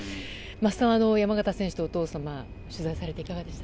桝さん、山縣選手とお父様を取材されていかがでした？